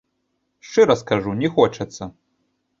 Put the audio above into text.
Шчыра скажу, не хочацца.